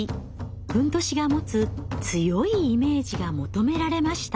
褌が持つ強いイメージが求められました。